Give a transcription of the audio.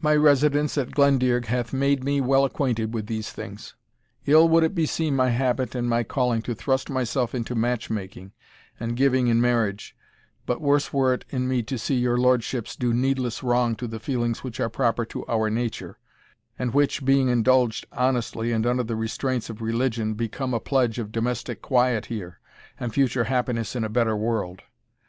My residence at Glendearg hath made me well acquainted with these things. Ill would it beseem my habit and my calling, to thrust myself into match making and giving in marriage, but worse were it in me to see your lordships do needless wrong to the feelings which are proper to our nature, and which, being indulged honestly and under the restraints of religion, become a pledge of domestic quiet here, and future happiness in a better world.